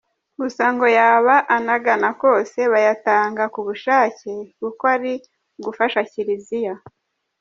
Gusa ngo yaba anagana kose bayatanga ku bushake, kuko ari ugufasha kiliziya.